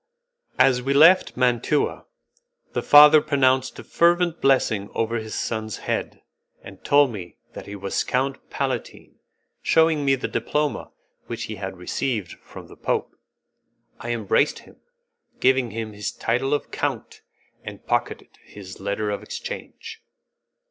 As we left Mantua, the father pronounced a fervent blessing over his son's head, and told me that he was count palatine, shewing me the diploma which he had received from the Pope. I embraced him, giving him his title of count, and pocketed his letter of exchange.